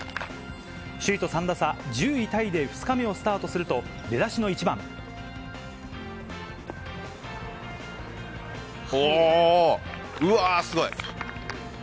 首位と３打差、１０位タイで２日目をスタートすると、出だしの１おー、うわー、すごい！